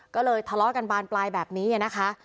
ก็เลยทะเลาะกันบานปลายแบบนี้นะคะ